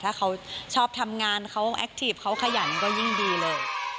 ถ้าเขาชอบทำงานเขาแอคทีฟเขาขยันก็ยิ่งดีเลย